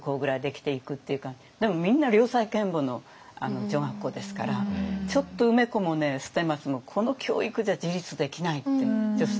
でもみんな良妻賢母の女学校ですからちょっと梅子も捨松もこの教育じゃ自立できないって女性が。